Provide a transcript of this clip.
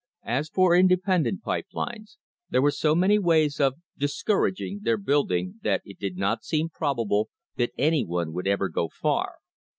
As for independent pipe lines, there were so many ways of "discouraging" their build ing that it did not seem probable that any one would ever go far.